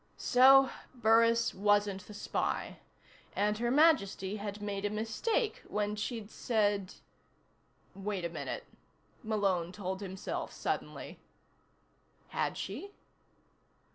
So Burris wasn't the spy. And Her Majesty had made a mistake when she'd said.... "Wait a minute," Malone told himself suddenly. Had she?